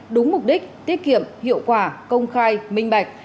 đúng mục đích tiết kiệm hiệu quả công khai minh bạch